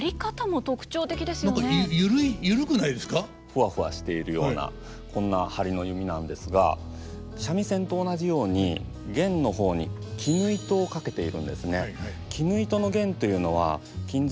ふわふわしているようなこんな張りの弓なんですが三味線と同じように絃の方に絹糸を掛けているんですね。